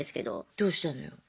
どうしたのよ。